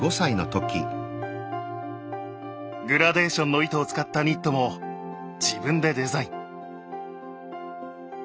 グラデーションの糸を使ったニットも自分でデザイン。